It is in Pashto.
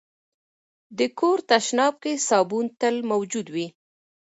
د کور تشناب کې صابون تل موجود وي.